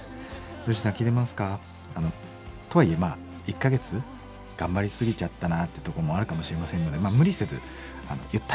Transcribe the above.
ヨッシーさん聴いてますか？とはいえまあ１か月頑張りすぎちゃったなってとこもあるかもしれませんので無理せずゆったりした気持ちで。